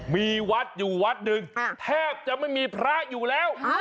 มีวัดอยู่วัดหนึ่งแทบจะไม่มีพระอยู่แล้ว